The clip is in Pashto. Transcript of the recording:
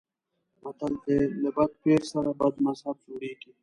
متل دی: له بد پیر سره بد مذهب جوړېږي.